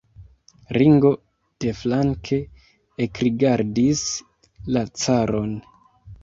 Ringo deflanke ekrigardis la caron.